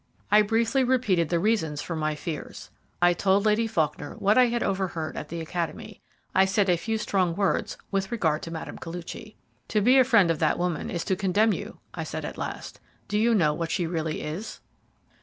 I briefly repeated the reasons for my fears. I told Lady Faulkner what I had overheard at the Academy. I said a few strong words with regard to Mme. Koluchy. "To be the friend of that woman is to condemn you," I said, at last. "Do you know what she really is?"